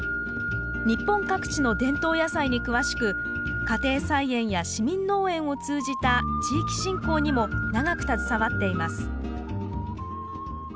日本各地の伝統野菜に詳しく家庭菜園や市民農園を通じた地域振興にも長く携わっています